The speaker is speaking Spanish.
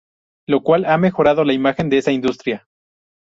Lo cual ha mejorado la imagen de esta industria.